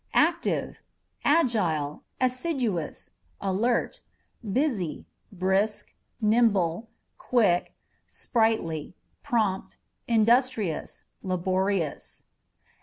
Active â€" agile, assiduous, alert, busy, brisk, nimble, quick, sprightly ; prompt ; industrious, laborious.